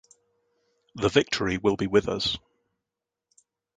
The Victory will be with us.